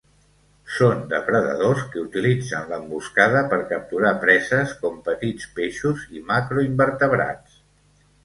Són depredadors que utilitzen l'emboscada per capturar preses com petits peixos i macroinvertebrats.